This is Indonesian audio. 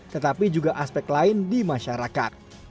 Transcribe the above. tetapi juga aspek lain di masyarakat